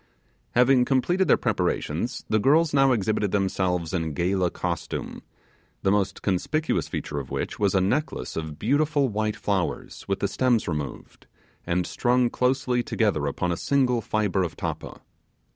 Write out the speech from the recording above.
Having completed their preparations, the girls now exhibited themselves in gala costume; the most conspicuous feature of which was a necklace of beautiful white flowers, with the stems removed, and strung closely together upon a single fibre of tappa.